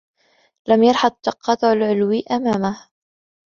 لم يلحظ التقاطع العلوي أمامه.